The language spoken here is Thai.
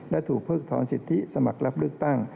และถูกเพิกถอนสิทธิสมัครรับเลือกตั้ง